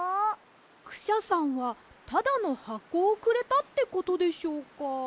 クシャさんはただのはこをくれたってことでしょうか？